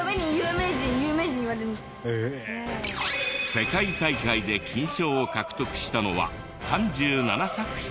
世界大会で金賞を獲得したのは３７作品。